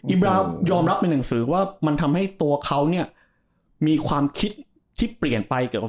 บรายอมรับในหนังสือว่ามันทำให้ตัวเขาเนี่ยมีความคิดที่เปลี่ยนไปเกี่ยวกับ